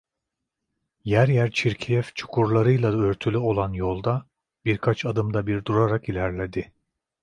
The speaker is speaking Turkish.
Yer yer çirkef çukurlarıyla örtülü olan yolda, birkaç adımda bir durarak ilerledi.